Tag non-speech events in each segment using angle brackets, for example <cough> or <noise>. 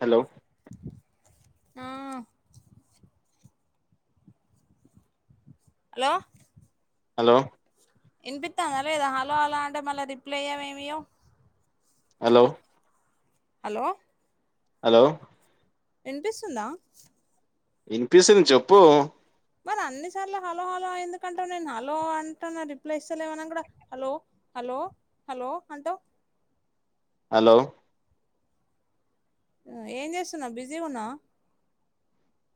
Hello! మ్ hello! Hello! వినిపిస్తాందా లేదా హలో హలో అంటే మళ్ళీ రిప్లై ఇయ్యావు ఏమీయ్యవు. హలో హలో హలో వినిపిస్తుందా? వినిపిస్తే నువ్వు చెప్పు మరి అన్నిసార్లు హలో హలో ఎందుకంటున్నావు. నేను హలో అంటున్న రిప్లై ఇస్తలేవు అన్నా కూడా హలో హలో హలో అంటావు. హలో ఏం చేస్తున్నావు. బిజీగా ఉన్నావా?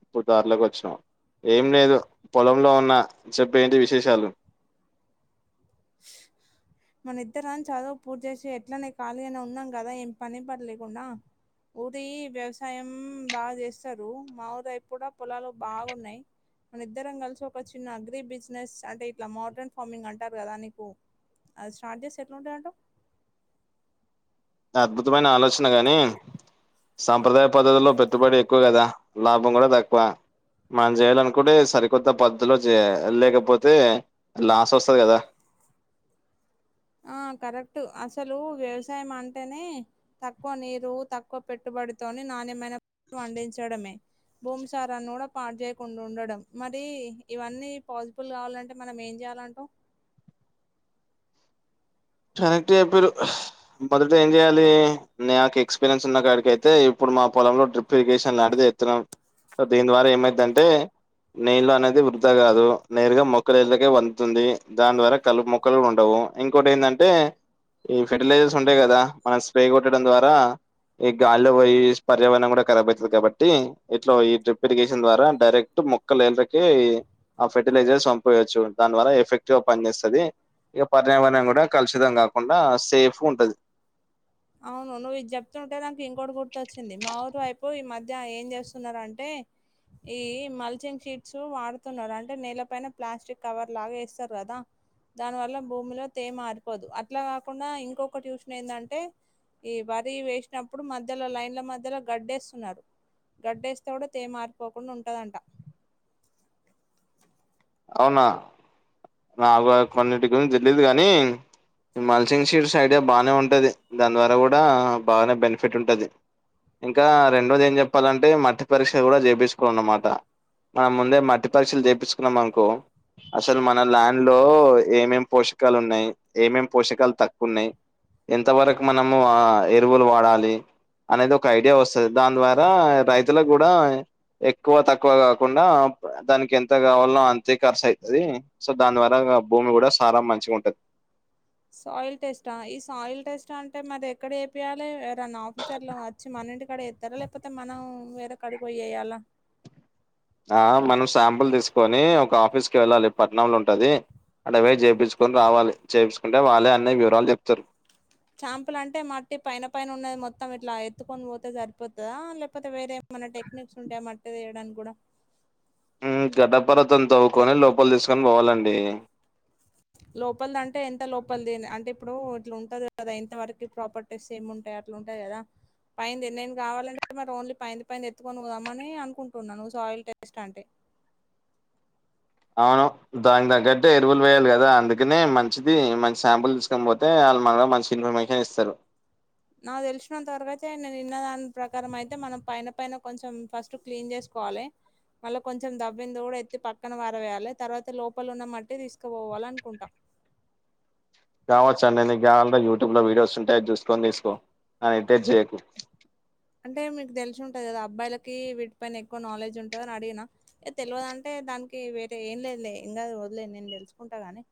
ఇప్పుడు దారిలోకి వచ్చినావు. ఏం లేదు పొలంలో ఉన్నా. చెప్పు ఏంటి విశేషాలు ఆ <inaudible> మన ఇద్దరం చదువు పూర్తి చేసి ఎట్లనే ఖాళీ అనే ఉన్నాం కదా, ఏం పని పాటులేకుండా. ఓటి వ్యవసాయం బాగా చేస్తారు. మా ఊరిలో కూడా పొలాలు బాగున్నాయి. మన ఇద్దరం కలిసి ఒక చిన్న అగ్రి బిజినెస్ అంటే ఇట్లా మోడ్రన్ ఫార్మింగ్ అంటారు కదా అని అది స్టార్ట్ చేసి ఎట్లాంటాది అంటావు. అద్భుతమైన ఆలోచన కాని, సాంప్రదాయ పద్ధతుల్లో పెట్టుబడి ఎక్కువ కదా లాభం కూడా తక్కువ. మనం చేయ్యాలనుకుంటే సరికొత్త పద్ధతిలో చేయాలి. లేకపోతే లాస్ వస్తాది కదా. ఆ కరెక్ట్. అసలు వ్యవసాయం అంటేనే తక్కువ నీరు తక్కువ పెట్టుబడితో నాణ్యమైన పంటను పండించడమే. భూమిసారాన్ని కూడా పాడు చేయకుండా ఉండడం. మరి ఇవన్నీ పాసిబుల్ కావాలంటే మనం ఏం చేయాలి? ఏంచేయాలంటావు? కరెక్ట్ చెప్పిరు. పద్ధతి ఏం చెయాలి? నాకు ఎక్స్పీరియన్స్ ఉన్న కాడికి అయితే ఇప్పుడు ఇప్పుడు మా పొలంలో డ్రిప్ ఇరిగేషన్ లాంటిది ఏత్తున్నాం. దీని ద్వారా ఏమైతుందంటే నీళ్లు అనేది వృధా కాదు. నేరుగా మొక్కలు వేళ్ళకే అందుతుంది. దాని ద్వారా కలుపు మొక్కలు ఉండవు. ఇంకోటి ఏంటంటే ఈ ఫెర్టిలైజర్స్ ఉంటాయి కదా, మనం స్ప్రే కొట్టడం ద్వారా ఈ గాల్లో పోయి పర్యావరణం కూడా కరాబ్ అవుతుంది కాబట్టి, ఇట్లా ఈ డ్రిప్ ఇరిగేషన్ ద్వారా డైరెక్ట్ మొక్కలు వేళ్ళకి ఆ ఫర్టిలైజర్స్ పంపేయవచ్చు. దానివల్ల ఎఫెక్టివ్ గా పని చేస్తాది. ఇక పర్యావరణం కూడా కలుషితం కాకుండా సేఫ్ గా ఉంటాది.. అవును. నువ్వు ఇది చెప్తుంటే నాకు ఇంకోటి గుర్తొచ్చింది మా ఊరు వైపు ఈ మధ్య ఏం చేస్తున్నారంటే ఈ మల్చింగ్ షీట్స్ వాడుతున్నారు. అంటే నేల పైన ప్లాస్టిక్ కవర్ లాగా వేస్తారు కదా దాని వల్ల భూమిలో తేమ ఆరిపోదు. అట్లా కాకుండా ఇంకొక ట్యూషన్ ఏంటంటే? ఈ వరి వేసినప్పుడు మధ్యలో లైన్ల మధ్యలో గడ్డేస్తున్నారు గడ్డేస్తా కూడా తేమా ఆరిపోకుండా ఉంటదంట అవునా నాకు కొన్నింటి గురించి తెల్లిదు కానీ మల్సిింగ్ షీట్స్ ఐడియా బాగానే ఉంటది దాని ద్వారా కూడా బాగానే బెనిఫిట్ ఉంటది ఇంకా రెండోది ఏం చెప్పాలంటే పట్టి పరీక్ష కూడా చేపించుకోాల అన్నమాట మనం ముందే మట్టి పరీక్షలు చేయిుకున్నాం అనుకో అసలు మన్ మన ల్యాండ్ లో ఏమేమి పోషకాలు ఉన్నాయి ఏమేం పోషకాలు తక్కువ ఉన్నాయి ఎంత వరకు మనము ఆ ఎరువులు వాడాలి అనేది ఒక ఐడియా వస్తుంది దాని ద్వారా రైతులకు కూడా ఎక్కువ తక్కువ కాకుండా దానికి ఎంత కావాలో అంతే ఖర్చ అయితది సో దాని ద్వారా భూమి కూడా సారా మంచిగా ఉంటది సాయిల్ టెస్ట్ ఆ ఈ సాయిల్ టెస్ట్ అంటే మరి ఎక్కడ చేపియాలి నా ఆఫీసర్లు వచ్చి మనంటి కూడాడ చేత్ చేస్తారా లేకపోతే మనం వేరే కాడికి పోయి ఎయ్యాల ఆ మనం శాంపుల్ తీసుకొని ఒక ఆఫీస్ కి వెళ్ళాలి పట్నం లో ఉంటది ఆడికి పోయి చేపించుకొని రావాలి చేయించుకుంటే వాళ్ళే అన్నీ వివరాలు చెప్తారు శాంపుల్ అంటే మట్టి పైన పైన ఉన్నది మొత్తం ఇట్లా ఎత్తుకొని పోతే సరిపోతుందా లేకపోతే వేరే ఏమన్నా టెక్నిక్స్ ఉంటాయ మట్టి తీయడానికి కూడా ఉ గడ్పర్తం తవ్వుకొని లోపల తీసుకొని పోవాలండి లోపలిది అంటే ఎంత లోపలిది అంటే ఇప్పుడు ఇట్లా ఉంటది కదా ఇంతవరకు ప్రాపర్టీస్ ఏమి ఉంటాయ అట్లు ఉంటాయి కదా పైంది నేను కావాలంటే మరి ఓన్లీ పైంది పైంది ఎత్తుకొని పోదామని అనుకుంటున్నాను నువ్వు సాయిల్ టేస్ట్ అంటే <inaudible> ఆ దానికి తగ్గట్టే ఎరువులు వేయాలి కదా అందుకనే మంచిది మంచి శాంపుల్ తీసుకొని పోతే వాళ్ళ మ ఆ మంచి ఇన్ఫర్మేషన్ ఇస్తారు నాకు తెలిసిన వరకు అయితే నేను ఇన్నా దాని ప్రకారం అయితే మనం పైన పైన కొంచెం ఫస్ట్ క్లీన్ చేసు కోవాలి మళ్ళీ కొంచెం దవ్విిందు కూడా ఎత్తి పక్కన వరవేయాలి తర్వాత లోపల ఉన్న మట్టి తీసుకుపోవాలి అనుకుంటాం కావచ్చు అండిీ నీకి కావాలంట యూట్యూబ్ లో వీడియోస్ ఉంటాయి చూసుకొని తీసుకో అని అంటే మీకు తెలిసు ఉంటది కదా అబ్బాయిలకి వీటి పైన ఎక్కువ నాలెడ్జ్ ఉంటంది అని అడిగిన తెలవదు అంటే దానికి కి వేరే ఏం లేదులే ఇంకా వదిలేదు నేను తెలుసుకుంటా గాని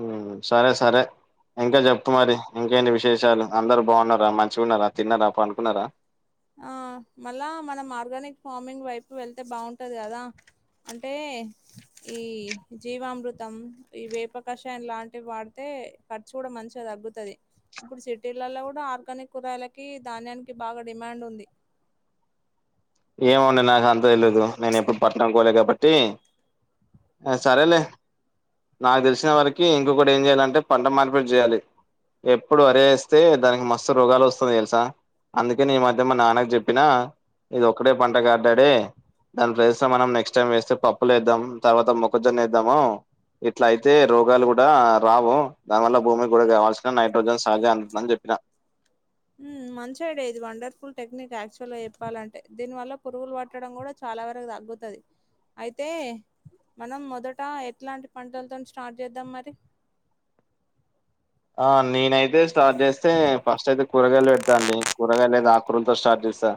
ఉ సరే సరే ఇంకా చెప్తు మరి ఇంకేంటి విశేషాలు అందరు బాగున్నారా మంచిగాన్నారా తిన్నారా పనుకున్నారా ఆ మళ్ళా మనం ఆర్గానిక్ ఫార్మింగ్ వైపు వెళ్తే బాగుంటది కదా అంటే ఈ జీవామృతం ఈ వేప కషాయం లాంటివి వాడితే కె ఖర్చు కూడా మంచిగా తగ్గుతది ఇప్పుడు సిటీలలో కూడా ఆర్గానిక్ కూరయలకి ధాన్నికి బాగా డిమాండ్ ఉంది ఏమో అండి నాకు అంత తెలిదు నేను ఎప్పుడు పట్టణం పోలే కాబట్టి ఆ సరేలేే నాకు తెలిసిన వరకి ఇంకొకటి ఏం చెయాలంటే పంట మార్పిట్ చేయాలి ఎప్పుడు వరి వేస్తే దానికి మస్తు రోగాలు వస్తుంది తెలుసా అందుకే నీ మధ్య మా నాన్నకు చెప్పినా ఇది ఒక్కడే పంట కాదు డాడీ దాని ప్లేస్ల మనం నెక్స్ట్ టైం వేస్తే పప్పులు వేద్దాం తర్వాత మొక్కజొన్న వేద్దాము. ఇట్లా అయితే రోగాలు కూడా రావు దానివల్ల భూమి కూడా కావాల్సిన నైట్రోజన్ సహజ అంటుందని చెప్పిన. <inaudible> మంచిగాడే ఇది వండర్ఫుల్ టెక్నిక్ యాక్చువల్ గా చెప్పాలంటే దీని వల్ల పురుగులు పట్టడం కూడా చాలా. చాలా వరకు తగుతది అయితే. మనం మొదట ఎట్లాంటి పంటలతో స్టార్ట్ చేద్దాం మరి. ఆ నేన అయితే స్టార్ట్ చేస్తే ఫస్ట్ అయితే కూరగాయలు పెడతాండి కూరగాయలు. ఆకరులతో స్టార్ట్ చేసా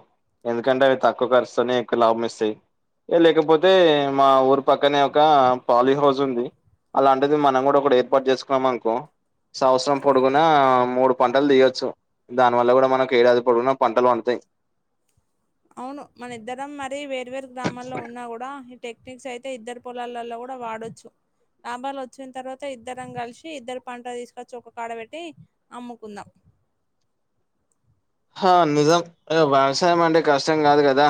ఎందుకంటే అవి తక్కువ ఖర్చుతోనే ఎక్కువ లాభం ఇస్తాయి. ఏ లేకపోతే మా ఊరు పక్కనే ఒక పాలింగ్ హౌస్ ఉంది. అలాంటిది మనం కూడా ఒకటి ఏర్పాటు చేసుకున్నాం అనుకో. సంవత్సరం పొడుగున మూడు పంటలు తీయొచ్చు దాని వల్ల కూడా మనకు ఏడాది పొడుగున పంటలు పండుతాయి. అవును మన ఇద్దరం మరి వేరువేరు గ్రామాల్లో ఉన్నా కూడా ఈ టెక్నిక్స్ అయి. అయితే ఇద్దరు పొలాలలో కూడా వాడొచ్చు. లాభాలు వచ్చిన తర్వాత ఇద్దరం కలిసి ఇద్దరు పంట తీసుకొచ్చి ఒక కాడ పెట్టి అమ్ముకుందాం. ఆ హ నిజం వ్యవసాయం అంటే కష్టం కాదు కదా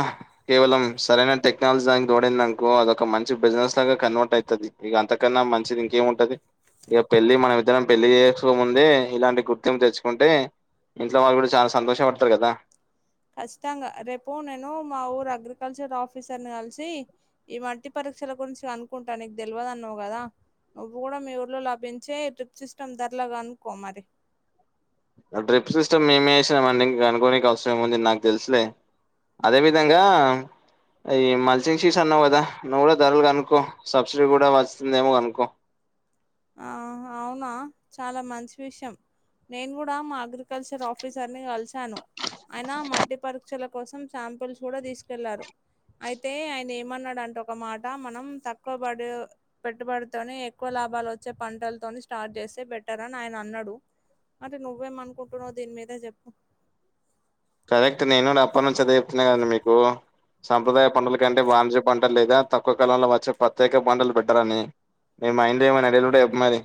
కేవలం సరైన టెక్నాలజీ. ఇంకొకటి ఎందనుకో అదొక మంచి బిజినెస్ లాగా కన్వర్ట్ అవుతది ఇంకా అంతకన్నా మంచిది ఇంకేం ఉంటది. ఇగా పెళ్లి మనమిద్దరం పెళ్లి చేసుకోముందే ఇలాంటి గుర్తింపు తెచ్చుకుంటే. ఇంట్లో వాళ్ళు కూడా చాలా సంతోష పడతారు కదా. ఖచ్చితంగా రేపు నేను మా ఊరు అగ్రికల్చర్ ఆఫీసర్ ని కలిసి. ఈ వల్టీ పరీక్షల గురించి అనుకుంటా నీకు తెలియదున్నావు కదా. నువ్వు కూడా మీ ఊర్లో లభించే ట్రిప్ సిస్టమ్ ధరలా కనుకో మరి డ్రిప్ సిస్టమ్ మేమే వేసినామండి ఇంకా కనుకోడానికి అవసరం ఏముంది నాకు తెలుసులే. అదే విధంగా. అయి మల్సింగ్షీస్ అన్నావు కదా నువ్వు కూడా ధరలు కనుకో సబ్సిడీ కూడా వస్తుందేమో కనుకో. ఆహ అవునా చాలా మంచి విషయం. నేను కూడా మా అగ్రికల్చర్ ఆఫీసర్ ని కలిసాను ఆయనా మట్డిపరు. పరీక్షల కోసం శాంపుల్స్ కూడా తీసుకెళ్లారు. అయితే ఆయన ఏమన్నాడుంటే ఒక మాట మనం తక్కువబడి పెట్టుబడితోనే ఎక్కువ లాభాలు వచ్. వచ్చే పంటలతోని స్టార్ట్ చేస్తే బెటర్ అని ఆయన అన్నాడు. అంటే నువ్వేం అనుకుంటున్నావు దీని మీద చెప్పు. కరెక్ట్ నేను కూడా అప్పటి నుంచి అదే చెప్తున్నాను కదానే మీకు. సాంప్రదాయ పంటల కంటే వాణిజ్య పంటలు లేదా తక్కువ కాలంలో వచ్చే ప్రత్యేక పంటలు బెటరని. నీ మైండ్లో ఏమైనా ఉంటే చెప్పు మరి.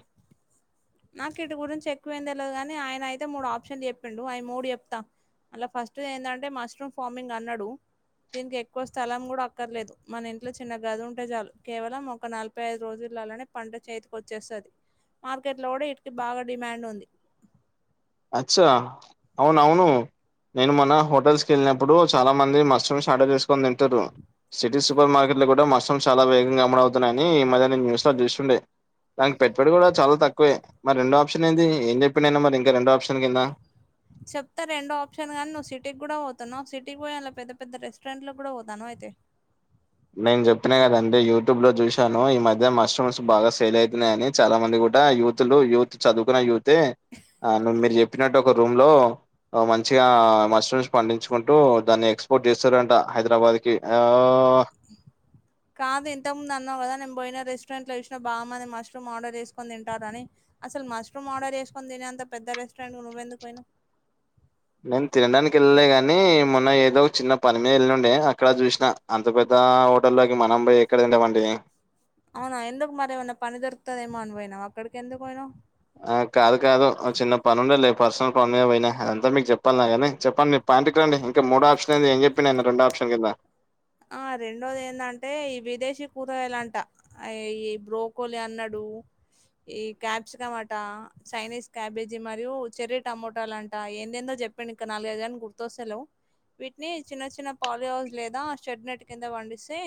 నాకు ఇటు గురించి ఎక్కువ ఏంది తెదు కాగాని ఆయన అయితే మూడు ఆప్షన్ చెప్పిండు ఐ మూడు చెప్తా. వాళ్లు ఫస్ట్ ది ఏందంటే మష్రూమ్ ఫామింగ్ అన్నారు. దీనికి ఎక్కువ స్థలం కూడా అక్కర్లేదు మన ఇంట్లో చిన్న గది ఉంటే చాలు కేవలం ఒక నలభై ఐదు రోజులు. లనే పంట చేతికి వచ్చేస్తది మార్కెట్ లో కూడా ఇటికి బాగా డిమాండ్ ఉంది. అచ్చా అవును అవును. నేను మొన్న హోటల్స్ కి వెళ్ళినప్పుడు చాలా మంది మస్ట్ రూమ్స్ ఆర్డర్ చేసుకొని తింటురు. సిటీ సూపర్ మార్కెట్ లో కూడా మష్రూమ్స్ చాలా వేగంగా అమ్మబడుతున్నాయని ఈ మధ్య నేను న్యూస్ లో చూస్తుండే. దానికి పెట్టుబడి కూడా చాలా తక్కువే మరి రెండో ఆప్షన్ ఏంది ఏం చెప్పిడయానా మరి ఇంకా రెండో ఆప్షన్. ఆప్షన్ కింద. చెప్తా రెండో ఆప్షన్ గానీ నువ్వు సిటీకి కూడా పోతున్నావ్వు సిటీకి పోయ అలా పెద్ద పెద్ద రెస్టారెంట్ల కూడా పోతానవ అయితే. నేను జెప్పిన కదండి యూట్యూబ్ లో చూశాను ఈ మధ్య మష్రూమ్స్ బాగా సేల్ అయివున్నది అని చాలా మంది కూ డ యూత్లు యూత్ చదువుకున్న యూతే ఆ మీరు జె ప్పినట్టు ఒక రూమ్ లో మంచిగా మష్రూమ్స్ పండించుకుంటూ దాన్ని ఎక్స్పోర్ట్ చేస్తురంట హైదరాబాద్కి ఓ కాదు ఇంతకుముందు అన్నావు గదా నేను బోయిన రెస్టారెంట్ లో చూసినా బాగమంది మష్రూమ్ ఆర్డర్ చేసుకొని తింటుంరని అసలు మష్రూమ్ ఆర్డర్ చేసుకొని తినే అంత పెద్ద రెస్టారెంట్ కి నువ్వెందుకు పోయినవ్ నేను తినడానికి యెళ్ళలే గాని మొన్న ఏదో చిన్న పని మీద యెళ్ళిండే అక్కడ జూసినా అంత పెద్ద ఆ హోటల్లోకి మనం బోయి ఎక్కడ తింటామండి. అవునా ఎందుకు మరి ఏమన్నా పని దొరుకుతదేమో అని బోయినవా అక్కడికి ఎందుకు పోయినవ్ ఆ కాదు కాదు చిన్న పని ఉండేలే పర్సనల్ పని మీద పోయినా అది అంతా మీకు జెప్పాల్ నా గానీ చెప్పండి మీ ఆంటికి రండి ఇంకా మూడో ఆప్షన్ ది ఏం జెప్పిన రెండో ఆప్షన్ కిందా ఆ రెండోది ఏందంటే ఈ విదేశీ కూరగాయలంట ఈ బ్రోకోలీ అన్నడు <inaudible> ఈ క్యాప్సికం అట చైనీస్ క్యాబేజీ మరియు చెర్రీ టమోటాలంట ఎందెందో చెప్పిండు ఇంక నాలుగైదులు గాని గుర్తొస్తలేవ్ వీటిని చిన్న చిన్న పాలయోస్ లేదా చెట్ నీట కింద పండిస్తే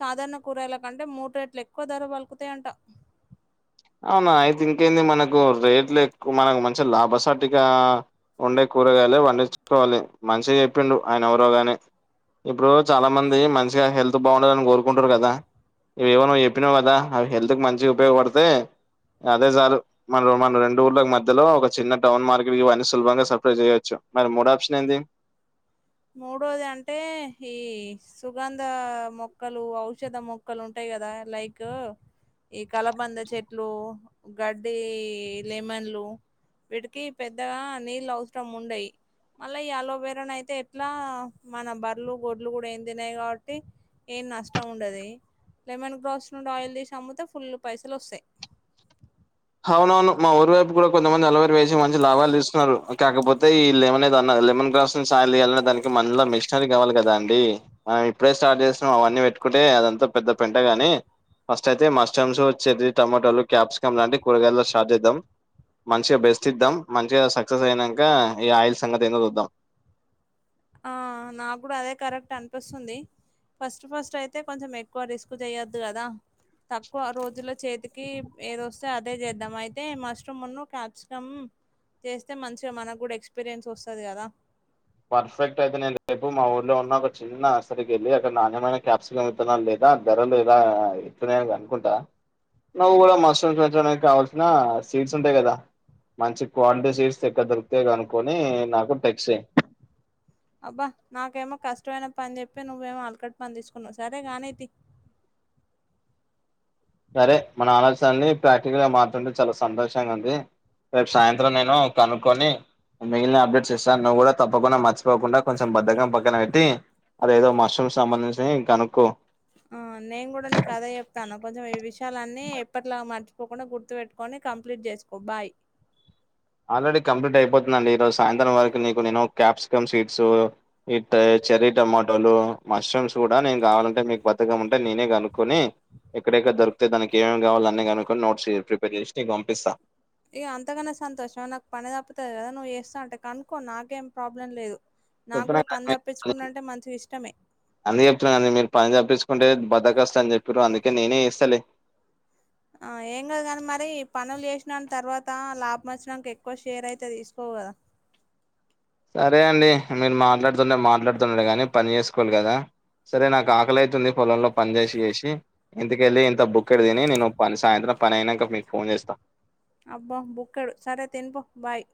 సాధారణ కూరగాయల కంటే మూడు రేట్లు ఎక్కువ ధర పలుకుతయంట అవునా అయితే ఇంకేంది మనకు రేట్లు ఎక్కువ మనకు మంచిగ లాభసాటిగా ఉండే కూరగాయలే వండించుకోవాలి మంచిగా చెప్పిండు ఆయన ఎవరో గాని ఇప్పుడు చాలా మంది మంచిగా హెల్త్ బాగుండాలి అని గోరుకుంటురు గదా ఇవేవో నువ్వు చెప్పినవ్ గదా అవి హెల్త్ కి మంచిగా ఉపయోగపడితే అదే జాలు మన మన రెండు ఊర్ళకి మధ్యలో ఒక చిన్న టౌన్ మార్కెట్ ఇవన్నీ సులభంగా సప్లై జేయాలి. అచ్చ మరి మూడో ఆప్షన్ ఏంది <inaudible> మూడోది అంటే ఈ సుగంధ మొక్కలు ఔషధ మొక్కలు ఉంటాయి గదా లైకు ఈ కలబంద చెట్లు గడ్డి లెమన్లు వీటికి పెద్దగా నీళ్ళ అవసరం ఉండయి మళ్ళ ఈ అలోవీరానైతే ఇట్లా మన బర్లు గొడ్లు గూడా ఏం తినయి గాబట్టి ఏం నష్టం ఉండదే లెమన్ గ్రాస్ నుండి ఆయిల్ దీసి అమ్ముతే ఫుల్లు పైసలు వస్తాయి. అవునవును మా ఊరి వైపు కూడా కొంతమంది అలోవీరా వేసి మంచి లాభాలు తీస్తున్నారు. కాకపోతే ఈ లెమన్ ఏదో అన్నారు. లెమన్ గ్రాస్ ను సాల్ జేయాలంటే దానికి మళ్ళ మిషనరీ కావాలి గదా అండి మనం ఇప్పుడే స్టార్ట్ చేసినం అవన్నీ పె ట్టుకుంటే అదంతా పెద్ద పెంటగాని ఫస్ట్ అయితే మస్టమ్స్ చెర్రి టమాటోలు క్యాప్సికమ్ లాంటి కూరగాయలు స్టాట్ చేద్దాం. మంచిగా బెస్ట్ ఇద్దాం. మంచిగా సక్సెస్ అయినంక ఈ ఆయిల్ సంగతి ఏందో చూద్దాం. ఆ నాకు గూడా అదే కరెక్ట్ అనిపిస్తుంది. ఫస్ట్ ఫస్ట్ అయితే కొంచెం ఎక్కువ రిస్క్ చేయొద్దు గదా. తక్కువ రోజుల చేతికి ఏది వస్తే అదే చేద్దాం అయితే మష్రూమ్ మున్ను క్యాప్సికం చేస్తే మంచిగా మనకు గూడా ఎక్స్పీరియన్స్ వస్తది గదా. పర్ఫెక్ట్ అయితే నేను రేపు మా ఊర్లో ఉన్న ఒక చిన్న అస్టలుకి వెళ్ళి అక్కడ నాణ్యమైన క్యాప్సికమ్ విత్తనాలు ఆ ధరలు ఎలా ఎట్లున్నాయో కనుకుంటా నువ్వు గూడా మష్రూమ్స్ పెంచడానికి కావల్సిన సీడ్స్ ఉంటాయి గదా మంచి క్వాలిటి సీడ్స్ ఎక్కడ దొరుకుతాయో కనుకొని నాకు టెక్స్ చేయ్ అబ్బా నాకేమో కష్టమైన పని జెప్పి నువ్వేమో అలకట్ పని దీసుకున్నావు సరే గానీతి <inaudible> సరే మన ఆలోచనలన్నీ ప్రాక్టికల్ గా మాట్లాడుతుంటే చాలా సంతోషంగా ఉంది. రేపు సాయంత్రం నేను కనుక్కొని మిగిలిన అప్డేట్స్ ఇస్తాను. నువ్వు కూడా తప్పకుండా మర్చిపోకుండా కొంచెం బద్దకం పక్కన పెట్టి అదేదో మష్రూమ్ సంబంధించినవి కనుక్కో. ఆ నేను కూడా నీకు అదే చెప్తున్నా. కొంచెం ఈ విషయాలన్నీ ఎప్పటిలాగా మరచి పోకుండా పోకుండా గుర్తు పెెట్టుకొని కంప్లీట్ చేసుకో బాయ్ ఆల్రెడీ కంప్లీట్ అయిపోతుందిండి. ఈ రోజు సాయంత్రం వరకు నీకు నేను క్యాప్సికమ్ సీడ్స్ చెర్రీ టమాటోలు, మష్రూమ్స్ కూడా నేను కావాలంటే మీకు బద్దకం ఉంటే నేనే కనుక్కొని ఎక్కడెక్కడ దొరికితాయో దానికి ఏమేమి కావాలి అన్నీ కనుక్కొని నోట్స్ ప్రిపేర్ చేసి నీకు పంపిస్తా. ఏ అంతగాన సంతోషం నాకు పని తప్పుతాది కదా నువ్వు చేస్తాను అంటే కనుక్కో నాకేం ప్రాబ్లం లేదు. నాకు చెప్పినా కూడా పని తప్పించుకుండు కదా, అంటే మంచిగా ఇష్టమే అందుకే చెప్తున్నా మీరు పని తప్పించుకుంటారు అని అంటే బద్ధకస్థులని అని చెప్పిర్రు. అందుకే నేనే చేస్తాలే. ఆ ఏం కాదుగాని మరి పనులు చేసిన తర్వాత లాభం వచ్చినాక ఎక్కువ షేర్ అయితే తీసుకోవు కదా. ఫ సరే అండి మీరు మాట్లాడుతుంటె మాట్లాడుతుంట గాని పని చేసుకోవాలి కదా సరే నాకు ఆకలి అవుతుంది పొలంలో పని చేేసి చేసి, ఇంటికెళ్ళి ఇంత బుక్ డి తిని నేను పని సాయంత్రం పని అయినాక మీకు ఫోన్ చేస్తా. అబ్బా, బుక్కడు సరే తినిపో. బాయ్